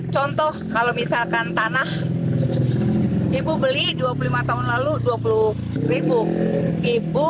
contoh kalau misalkan tanah ibu beli dua puluh lima tahun lalu dua puluh ribu